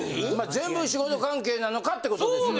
全部仕事関係なのか？ってことですよね。